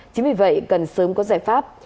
chính vì vậy cần sớm có giải pháp